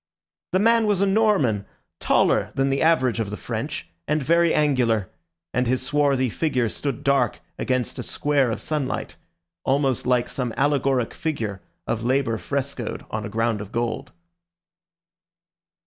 The man was a Norman, taller than the average of the French and very angular; and his swarthy figure stood dark against a square of sunlight, almost like some allegoric figure of labour frescoed on a ground of gold.